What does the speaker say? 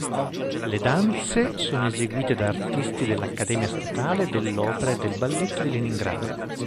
Le danze sono eseguite da artisti dell'Accademia Statale dell'Opera e del Balletto di Leningrado.